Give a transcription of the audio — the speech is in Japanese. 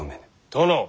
殿。